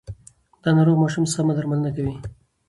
د ناروغ ماشوم سم درملنه کوي.